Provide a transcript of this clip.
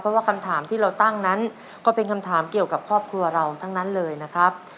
เพราะว่าคำถามที่เราตั้งนั้นก็เป็นคำถามเกี่ยวกับครอบครัวเราทั้งนั้นเลยนะครับ